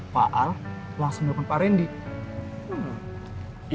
pak al langsung jemput pak rendy